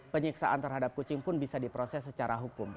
penyiksaan terhadap kucing pun bisa diproses secara hukum